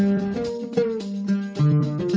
oke kita masuk ke dalam